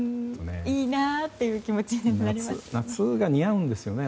いいなっていう気持ちになりますね。